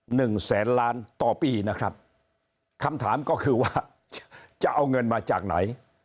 หนึ่งแสนล้านต่อปีนะครับคำถามก็คือว่าจะเอาเงินมาจากไหน